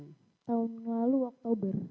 tahun lalu oktober